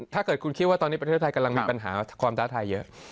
ถ้าเกิดคุณคิดว่าตอนนี้ประเทศไทยกำลังมีปัญหาความท้าทายเยอะ